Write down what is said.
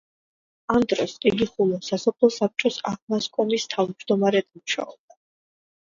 ამ დროს იგი ხულოს სასოფლო საბჭოს აღმასკომის თავმჯდომარედ მუშაობდა.